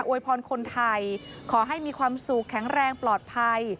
วยพรคนไทยขอให้มีความสุขแข็งแรงปลอดภัย